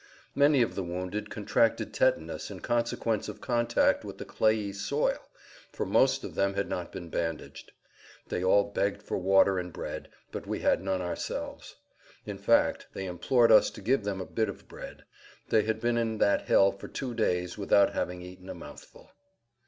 Many of the wounded contracted tetanus in consequence of contact with the clayey soil, for most of them had not been bandaged. They all begged for water and bread, but we had none ourselves. In fact, they implored us to give them a bit of bread. They had been in that hell for two days without having eaten a mouthful.